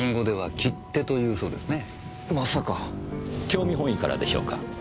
興味本位からでしょうか。